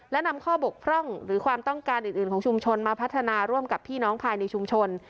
และนำข้อบกพร่องหรือความต้องการอื่นของชุมชนมาพัฒนาร่วมกับพี่น้องภายในชุมชน